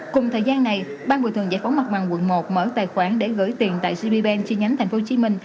cùng thời gian này bang bồi thường giải phóng mặt bằng quận một mở tài khoản để gửi tiền tại gbben chi nhánh tp hcm